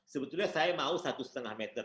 sebetulnya saya mau satu lima meter